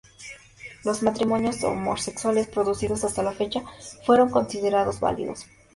Los matrimonios homosexuales producidos hasta la fecha fueron considerados válidos.